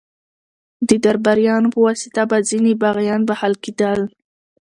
د درباریانو په واسطه به ځینې باغیان بخښل کېدل.